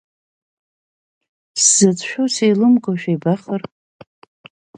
Сзыцәшәо сеилымгоушәа ибахыр!